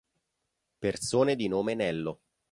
Persone di nome Nello